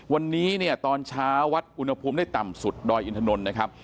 วันนี้เนี่ยตอนเช้าวัดอุณหภูมิได้ต่ำสุดดอยอินทนนท์นะครับ